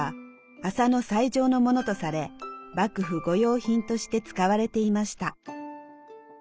「麻の最上のもの」とされ幕府御用品として使われていました。